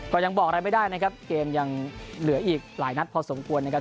ก็ยังบอกอะไรไม่ได้นะครับเกมยังเหลืออีกหลายนัดพอสมควรนะครับ